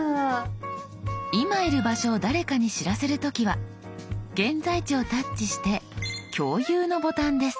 今いる場所を誰かに知らせる時は「現在地」をタッチして「共有」のボタンです。